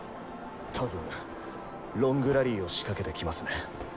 多分ロングラリーを仕掛けてきますね。